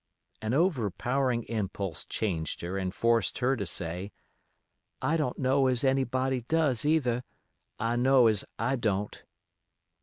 An overpowering impulse changed her and forced her to say: "I don't know as anybody does either; I know as I don't."